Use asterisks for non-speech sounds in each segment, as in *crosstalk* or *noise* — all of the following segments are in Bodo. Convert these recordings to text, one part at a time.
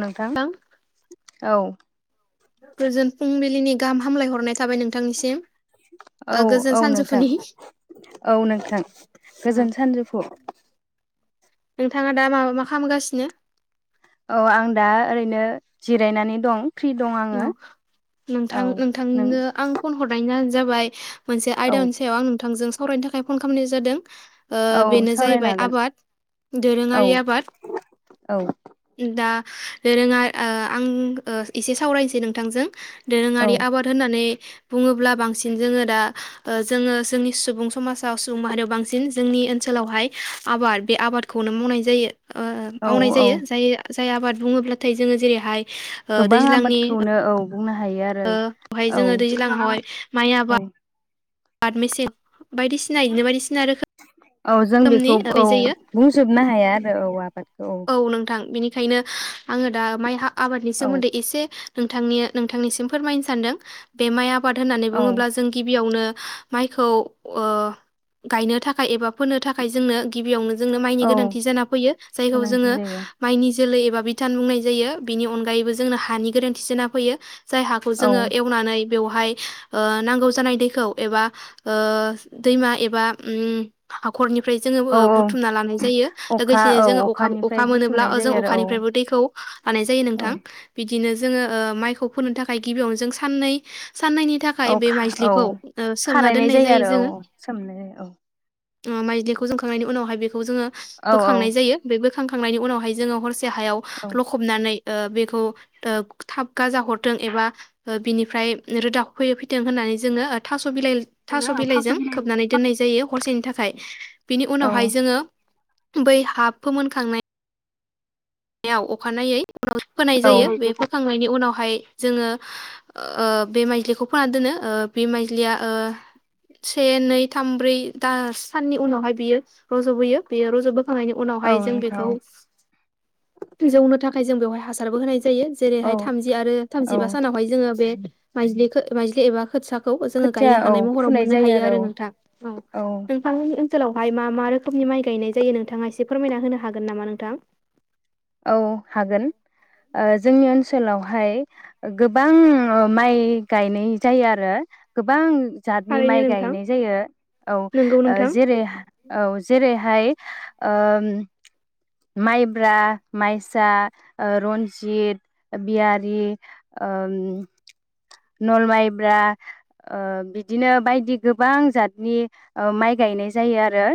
नोंथां औ गोजोन फुंबिलिनि गाहाम हामलाय हरनाय थाबाय नोंथांनिसिम। औ ओ गोजोन औ नोंथां सानजौफुनि औ नोंथां ओ गोजोन सानजौफु। नोंथाङा दा मा मा खालामगासिनो? औ आं दा ओरैनो जिरायनानै दं। फ्रि दं आङो औ औ नोंथां नों नोंथांनो आं फन हरनायनि जाबाय मोनसे औ आयदानि सायाव आं नोंथांजों सावरायनो थाखाय फन खालामनाय जादों। औ बेनो सावरायनो जाहैबाय हागोन आबाद औ दोरोङारि आबाद औ दा दोरोङा ओ आं ओ एसे सावरायसै नोंथांजों। औ दोरोङारि आबाद होननानै बुङोब्ला बांसिन जोङो दा ओ जोङो जोंनि सुबुं समाजाव सुबुं माहारियाव बांसिन जोंनि ओनसोलावहाय आबाद बे आबादखौनो मावनाय जायो। ओ औ मावनाय औ जायो जाय जाय आबाद बुङोब्लाथाय जोङो जेरैहाय ओ दै गोबां आबादखौनो औ। बुंनो हायो आरो बेवहाय औ जोङो औ। बारमेसेन बायदिसिना इनो बायदिसिना आरो। *inaudible* औ जों बेखौ औ बुंजोबनो हाया आरो औ आबाद। औ नोंथां बिनि बेखायनो आङो दा माइ आबादनि औ सोमोन्दै एसे नोंथांनि नोंथांनिसिम फोरमायनो सान्दों बे माया बाद होननानै औ बुङोब्ला जों गिबियावनो माइखौ ओ गायनो थाखाय एबा फोनो थाखाय जोंनो गिबियावनो जोंनो माइनि औ गोनांथि जाना फैयो। जायखौ गोनांथि जोङो जायो माइनि जोलै एबा बिथान बुंनाय जायो बिनि अनगायैबो जोंनो हानि गोनांथि जाना फैयो। जाय हाखौ औ जोङो एवनानै बेवहाय ओ नांगौ जानाय दैखौ एबा ओ दैमा एबा उम हाखरनि *unintelligible* जों औ औ बुथुमना लानाय जायो अखा लोगोसेनो औ जों अखा अखानिफ्राय अखा मोनोब्ला बुथुमनाय ओ जों जायो आरो अखानिफ्राय औ दैखौ लानाय जायो नोंथां। औ बिदिनो जोङो ओ माइखौ फोनो थाखाय गिबियावनो जों साननै साननैनि थाखाय बे *unintelligible* औ माइज्लिखौ ओ सोमना खारायनाय दोननाय जायो आरो औ सोमनो औ। माइजलिखौ जोंखांनायनि उनावहाय बे खौ जोङो औ औ बोखांनाय जायो। बोखांखांनायनि उनावहाय जोङो हरसे बे हायाव औ लखबनानै। ओ बेखौ ओ थाब गाजा हरथों एबा बिनिफ्राय रोदाफै फैथों होननानै जोङो था *unintelligible* थास' जोंनो बिलाइजों बिलाइ खोबनानै दोननाय जायो। खरसेनि थाखाय। बिनि औ उनावहाय जोङो। बै हाब। फोमोनखांनाय याव अखानायै। उनाव फोनाय औ जायो। बे औ फोखांनायनि उनावहाय। जोङो ओ बे माइज्लिखौ फोना दोनो ओ बे माइज्लिया ओ से नै थाम ब्रै दा साननि उनावहाय बियो रज'बोयो बेयो रज'बो खांनायनि उनावहाय जों बेखौ। नोंथां जौनो थाखाय जों बेवहाय हासारबो होनाय जायो। जायो औ जेरैहाय थामजि आरो औ थामजिबा सानावहाय जोङो बे। माइज्लि माइज्लि एबा खोथियाखौ। जोङो खोथिया गायनो औ हानाय महराव फुनाय मोननो जायो हायो आरो नोंथां। औ नोंथांनि ओन ओनसोलावहाय मा मा रोखोमनि माइ गायनाय जायो नोंथाङा एसे फोरमायना होनो हागोन नामा नोंथां? औ हागोन ओ। जोंनि ओनसोलावहाय गोबां माइ गायनाय जायो आरो। गोबां। जातनि थारैनो माइ नोंथां गायनाय जायो नोंगौ औ नोंथां जेरै औ जेरै हाय माइब्रा,। माइसा, ओ रन्जित, बियारि, नल माइब्रा बिदिनो बायदि गोबां जातनि माइ गायनाय जायो आरो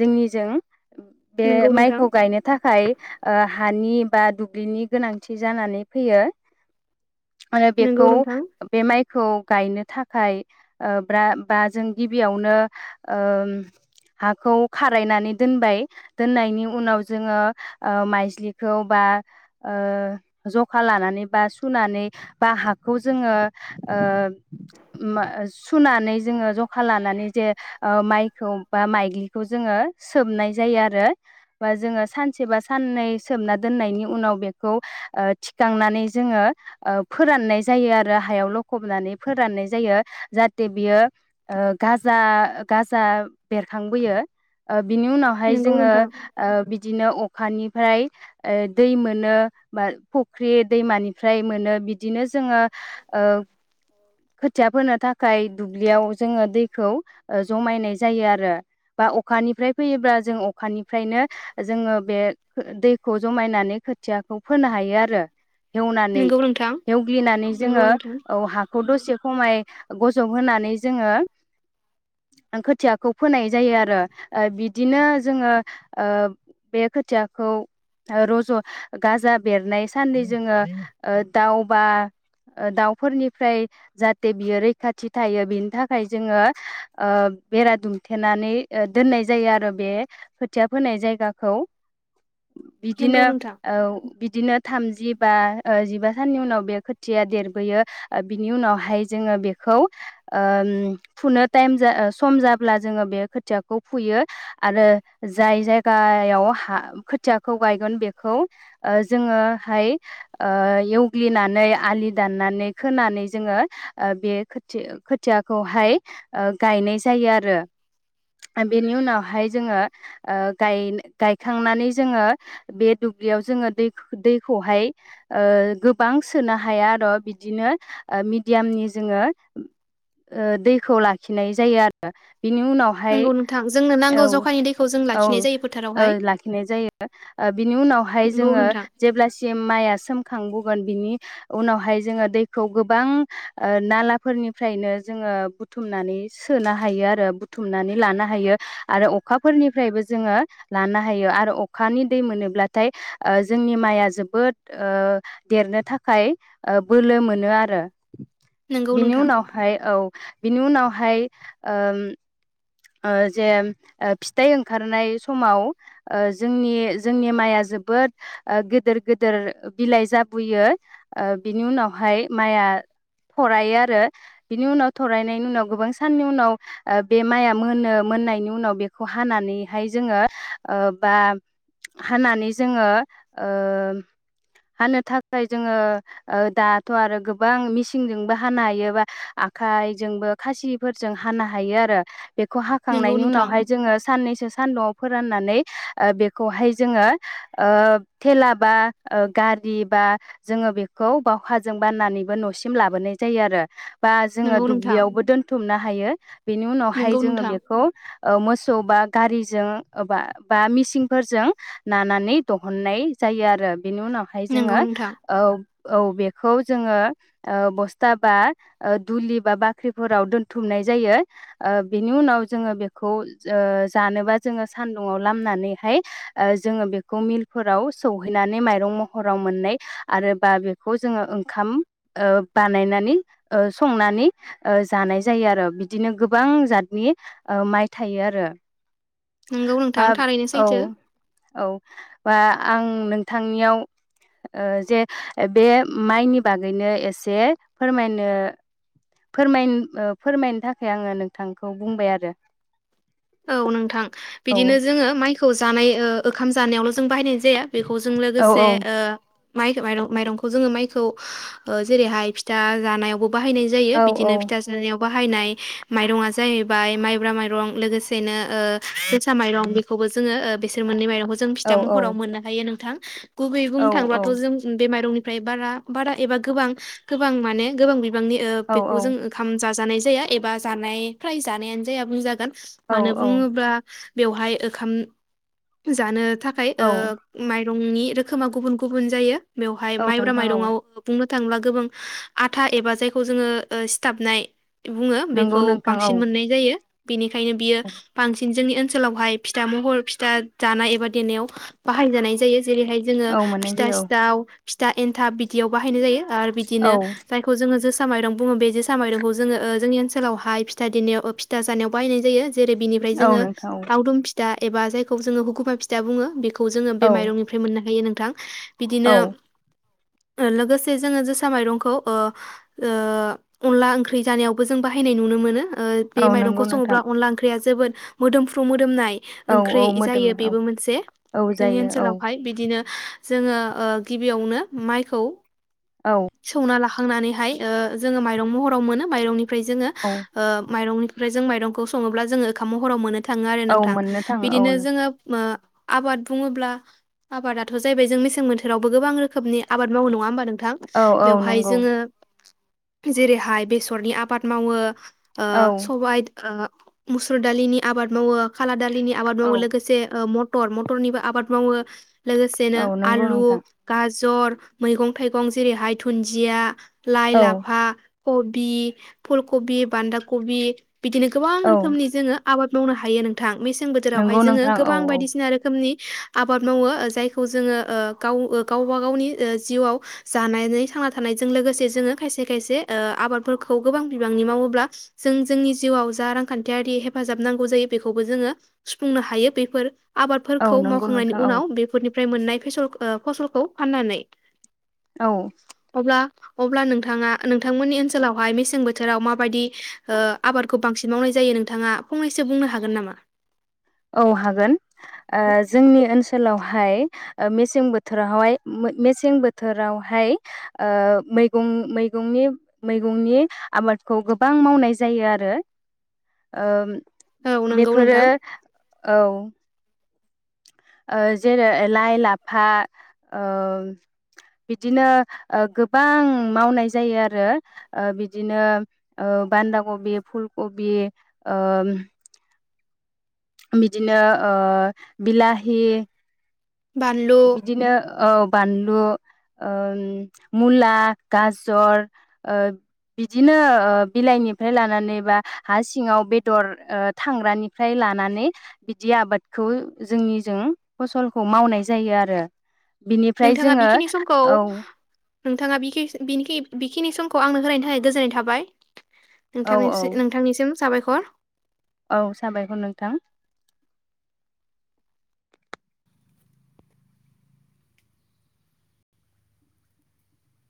जोंनिजों। बे नोंगौ नोंथां माइखौ गायनो थाखाय। हानि बा दुब्लिनि गोनांथि जानानै फैयो। आरो नोंगौ बेखौ नोंथां बे माइ खौ गायनो थाखाय ओ बा जों गिबियावनो ओ हाखौ खारायनानै दोनबाय ओ दोननायनि उनाव जोङो। ओ माइज्लिखौ बा ओ जखा लानानै बा सुनानै बा हाखौ जोङो ओ सुनानै जोङो जखा लानानै जे माइखौ बा माइग्लिखौ जोङो सोमनाय जायो आरो बा जोङो सानसेबा। साननै सोमना दोननायनि उनाव बेखौ ओ थिखांनानै जोङो फोराननाय जायो आरो हायाव लखबनानै फोराननाय जायो जाहाथे बियो गाजा गाजा बेरखांबोयो। बिनि उनावहाय नोंगौ जोङो नोंथां ओ बिदिनो। अखानिफ्राय दै मोनो, बा फुख्रि दैमानिफ्राय मोनो बिदिनो जोङो खोथिया फोनो थाखाय दुब्लियाव जोङो दैखौ जमायनाय जायो आरो। बा अखानिफ्राय फैयोब्ला जों अखानिफ्रायनो जों। बे दैखौ जमायनानै खोथियाखौ फोनो हायो आरो एवनानै नोंगौ नोंथां एवग्लिनानै नोंगौ जोङो नोंथां औ हा खौ दसे खमाय गजब होनानै जोङो खोथियाखौ फोनाय जायो आरो बिदिनो जोङो ओ। बे खोथियाखौ रज' गाजा। बेरनाय साननै जोङो दाउ बा। दाउफोरनिफ्राय जाहाथे बियो रैखाथि थायो बेनि थाखाय जोङो ओ बेरा दुमथेनानै दोननाय जायो आरो बे खोथिया फोनाय जायगा खौ। नोंगौ बिदिनो नोंथां औ बिदिनो थामजि। जिबा जिबा साननि उनाव बे खोथिया देरबोयो। बिनि उनावहाय जोङो बेखौ फुनो टाइम सम जाब्ला जोङो बे खोथियाखौ फुयो आरो जाय जायगा याव खोथियाखौ गायगोन बेखौ जोङोहाय एवग्लिनानै आलि दाननानै खोनानै जोङो बे खोथिया खोथियाखौहाय गायनाय जायो आरो। बेनि उनावहाय जोङो गाय गायखांनानै जोङो बे दुब्लियाव जोङो दै दैखौहाय ओ गोबां सोनो हाया आरो। बिदिनो मिडियामनि जोङो दैखौ लाखिनाय जायो आरो। बिनि उनावहाय नंगौ नोंथां जोंनो नांगौ औ जखानि दैखौ जों औ लाखिनाय जायो फोथार ओ लाखिनाय जायो। ओ बिनि उनावहाय नंगौ जोङो नोंथां जेब्लासिम माइया सोम खांबोगोन बिनि उनावहाय जोङो दैखौ गोबांओ नालाफोरनिफ्रायनो जोङो बुथुमनानै सोनो हायो आरो बुथुमनानै लानो हायो। आरो अखाफोरनिफ्रायबो जोङो अखाफोरनिफ्रायबो जोङो लानो हायो आरो अखानि दै मोनोब्लाथाय ओ जोंनि माइआ जोबोद ओ देरनो थाखाय ओ बोलो मोनो आरो। नंगौ बिनि नोंथां उनावहाय औ बिनि उनावहाय ओम ओ जे फिथाइ ओंखारनाय समाव ओ जोंनि जोंनि माइआ जोबोद ओ गेदेर गेदेर बिलाइ जाबोयो। ओ बिनि उनावहाय माइआ थरायो आरो बिनि उनाव थरायनायनि उनाव गोबां साननि उनाव ओ बे माइया मोनो मोननायनि उनाव बेखौ हानानैहाय जोङो ओ बा हानानै जोङो ओम हानो थाखाय जोङो ओ दाथ' आरो गोबां मिसिंजोंबो हानो हायो बा आखाइजोंबो खासिफोरजों हानो हायो आरो। खौ नंगौ हाखांनायनि नोंथां उनावहाय जोङो साननैसो सानदुं'आव फोराननानै ओ बेखौहाय जोङो ओ थेला बा गारि बा जोङो बेखौ बावखाजों बाननानैबो न'सिम लाबोनाय जायो आरो। बा जोङो नंगौ नोंथां दुब्लियावबो दोनथुमनो हायो बेनि उनावहाय नंगौ जोङो नोंथां बेखौ ओ मोसौ बा गारिजोंबा बा मिसिंफोरजों नानानै दहननाय जायो आरो। बेनि उनावहाय जोङो नंगौ नोंथां औ औ बेखौ जोङो ओ बस्था बा ओ दुलि बा बाख्रिफोराव दोनथुमनाय जायो। ओ बेनि उनाव जोङो बेखौ ओ जानोबा जोङो सानदुुंआव लामनानैहाय ओ जोङो बेखौ मिलफोराव सौहैनानै माइरं महराव मोननाय आरो बा बेखौ जोङो ओंखाम ओ बानायनानै ओ संनानै ओ जानाय जायो आरो। बिदिनो गोबां जाद नि ओ माइ थायो आरो। नंगौ ओ नोंथां थारैनो औ सैथो औ बा आं नोंथांनियाव ओ जे बे माइनि बागैनो एसे फोरमायनो फोरमायनो ओ फोरमायनो थाखाय आङो नोंथां खौ बुंबाय आरो। औ नोंथां औ बिदिनो जोङो माइखौ जानाय ओ ओखाम जानायल' जों बाहायनाय जाया। बेखौ जों औ लोगोसे ओ माइखो माइरं-माइरंखो जोङो माइखौ ओ जेरैहाय फिथा जानायावबो बाहायनाय जायो औ बिदिनो फिथा जानायाव बाहायनाय माइरंआ जाहैबाय माइब्रा माइरं लोगोसे सेनो ओ जोसा माइरं बेखौबो जोङो ओ बिसोर मोननै माइरं बो जों औ फिथा महर मोननो हायो नोंथां। *inaudible* गुबैयै औ बुंनो थांबाथ' जों बे माइरंनि फ्राय बारा बारा एबा गोबां गोबां माने गोबां बिबांनि ओ बेखौ जों ओंखाम जा जानाय जाया एबा जानाय फ्राय जानायानो जाया बुंजागोन। औ मानो बुङोब्ला बेवहाय ओंखाम जानो थाखाय ओ औ माइ रंनि रोखोमा गुबुन गुबुन जायो बेवहाय औ माइब्रा नोंथां औ माइरंङाव बुंनो थांब्ला गोबां आथा एबा जायखौ जोङो ओ सिथाबनाय बुङो नंगौ बेखौ नोंथां औ बांसिन मोननाय जायो। बिनिखायनो बियो बांसिन जोंनि ओनसोलावहाय फिथा महर फिथा जानाय एबा देनायाव बाहायजानाय जायो। जेरैहाय जोङो औ मोननाय फिथा जायो सिथाव, फिथा एन्थाब, बिदियाव बाहायनाय जायो। आरो औ बिदिनो जायखौ जोङो जोस सा माइरं बुङो बे जोसा माइरंखौ जोङो ओ जोंनि ओनसोलावहाय फिथा देनायाव ओ फिथा जानायाव बाहायनाय जायो जेरै बिनिफ्राय औ जोङो नोंथां औ लावदुम फिथा एबा जायखौ जोङो हुगुमा फिथा बुङो बेख खौ जोङो बे औ माइरंनिफ्राय मोननो हायो नों थां बिदिनो औ ओ लोगोसे जोङो जोसा माइरंखौ ओ ओ अनला ओंख्रि जानायावबो जों बाहायनाय नुनो मोनो। ओ बे औ नंगौ माइरंखौ नोंथां सङोब्ला अनला ओं ख्रिया जोबोद मोदोमफ्रु मोदोमनाय औ ओंख्रै औ जायो मोदोमो औ बेबो मोनसे औ जोंनि जायो औ ओनसोलावहाय बिदिनो जोङो ओ गिबियावनो माइखौ औ सौना ला खांनानैहाय ओ जोङो माइरं महराव मोनो माइरंनि फ्राय जोङो औ ओ माइरंनि फ्राय जों माइरंखौ स सङोब्ला जोङो ओखाम महराव मोन्नो थाङो आरो औ नोंथां। मोननो थाङो औ बिदिनो जोङो ओ आबाद बुङोब्ला आबादाथ' जाहैबाय जों मेसें बोथोरावबो गोबां रोखोमनि आबाद मावो नङा होमबा नों थां औ औ बेवहाय नंगौ जोङो जेरैहाय बेसरनि आबाद मावो, ओ औ सबाइ ओ मुसुर दालिनि आबाद मावो, खाला दा आबाद मावो औ लोगोसे ओ म मटर मटरनिबो आबाद मावो लोगोसेनो औ नंगौ आलु, नोंथां गाजर मैगं थाइगं जेरैहाय दुन्जिया, लाइ औ लाफा कबि, फुल कबि, बान्दा कबि बिदिनो गोबां औ रोखोमनि जोङो आबाद मावनो हायो नोंथां मेसें मेसें बोथोरावहाय नंगौ जोङो नोंथां औ गोबां औ बायदिसिना रोखोमनि आबाद मावो जायखौ जोङो गाव गावबा गावनि जिउआव जानानै थांना थानायजों लोगोसे जोङो खायसे खायसे आबादफोरखौ गोबां बिबांनि मावोब्ला जों जोंनि जिउआव जा रांखानथियारि हेफाजाब नांगौ जायो बेखौबो जोङो सुफुंनो हायो बेफोर औ आबादफोरखौ नंगौ मावखांनायनि नोंथां औ उनाव बेफोरनि ओमफ्राय मोननाय फसल फसलखौ फाननानै औ अब्ला अब्ला नोंथाङा नोंथांमोननि ओनसोलावहाय मेसें बोथोराव माबायदि आबादखौ बांसिन मावनाय जायो नोंथाङा फंनैसो बुंनो हागोन नामा? औ हागोन जोंनि ओनसोल ओनसोलावहाय मेसें बोथोरावहाय मेसें बोथोरावहाय मैगं मैगंनि मैगंनि आबादखौ गोबां मावनाय जायो आरो। औ नंगौ बेफोरो नोंथां औ। जेरै लाइ लाफा ओ बिदिनो गोबां मावनाय जायो आरो बिदिनो बानदा कबि, फुल कबि बिदिनो बिलाहि बानलु बिदिनो औ बानलु, मुला, गाजर बिदिनो बिलाइनिफ्राय लानानै बा हा सिङाव बेदर थांग्रानिफ्राय लानानै बिदि आबादखौ जोंनिजों फसलखौ मावनाय जा जायो आरो। बिनिफ्राय नोंथाङा जोङो बेखिनि समखौ औ। नोंथाङा बेखिनि समखौ आंनो होनोलायनि थाखाय गोजोननाय थाबाय। औ नोंथांनि औ नोंथांनिसिम साबायखर। औ साबायखर नोंथां।